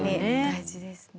大事ですね。